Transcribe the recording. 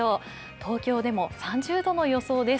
東京でも３０度の予想です。